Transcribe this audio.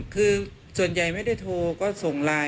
คือส่วนใหญ่ไม่ได้โทรก็ส่งไลน์